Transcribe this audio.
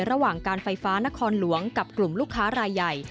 ระหว่างการไฟฟ้านครหลวงกับกลุ่มลูกค้ารายใหญ่